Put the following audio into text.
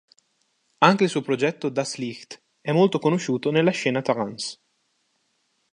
Anche il suo progetto Das Licht è molto conosciuto nella scena trance.